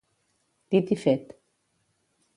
Dit i fet